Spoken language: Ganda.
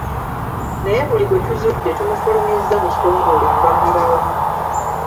Naye buli gwe tuzudde tumufulumizza mu kitongole mbagirawo.